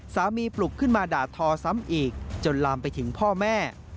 ปลุกขึ้นมาด่าทอซ้ำอีกจนลามไปถึงพ่อแม่